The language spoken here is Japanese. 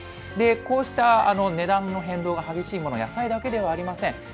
こうした値段の変動が激しいもの、野菜だけではありません。